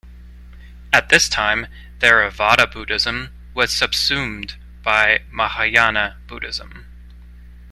At this time, Theravada Buddhism was subsumed by Mahayana Buddhism.